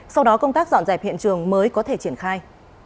sau đó công tác dọn dẹp hiện trường mới có thể triển khai